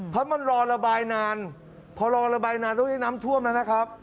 เพราะมันรอระบายนานพอรอระบายนานต้องได้น้ำท่วมแล้วนะครับ